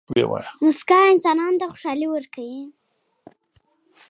موسکا انسانانو ته خوشحالي ورکوي.